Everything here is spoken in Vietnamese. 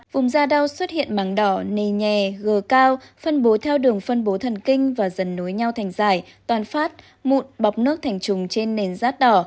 vùng da đau xuất hiện mảng đỏ nề nhè g cao phân bố theo đường phân bố thần kinh và dần nối nhau thành giải toàn phát mụn bọc nước thành trùng trên nền rát đỏ